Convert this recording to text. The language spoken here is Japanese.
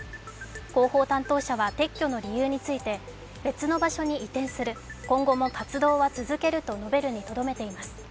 広報担当者は撤去の理由について別の場所に移転する、今後も活動は続けると述べるにとどめています。